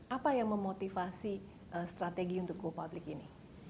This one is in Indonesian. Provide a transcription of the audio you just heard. apa yang memotivasi strategi untuk go public ini